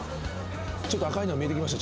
ちょっと赤いの見えてきました。